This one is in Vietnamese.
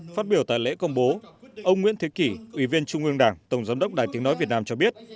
phát biểu tại lễ công bố ông nguyễn thế kỷ ủy viên trung ương đảng tổng giám đốc đài tiếng nói việt nam cho biết